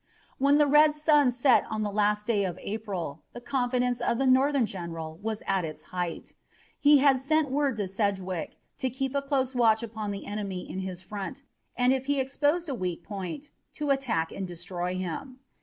When the red sun set on that last day of April the confidence of the Northern general was at its height. He had sent word to Sedgwick to keep a close watch upon the enemy in his front, and if he exposed a weak point to attack and destroy him.